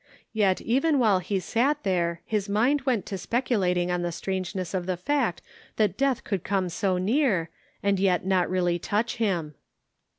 Yet even while he sat there his mind went to speculating on the strangeness of the fact that death could come so near, and yet not really touch him.